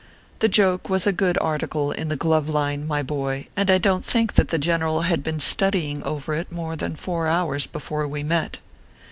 The joke was a good article in the glove line, my boy, and I don t think that the general had been studying over it more than four hours before we met.